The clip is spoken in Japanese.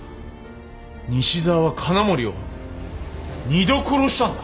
西沢は金森を二度殺したんだ！